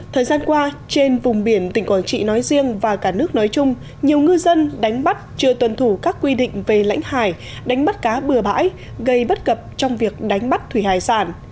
thời gian qua trên vùng biển tỉnh quảng trị nói riêng và cả nước nói chung nhiều ngư dân đánh bắt chưa tuần thủ các quy định về lãnh hải đánh bắt cá bừa bãi gây bất cập trong việc đánh bắt thủy hải sản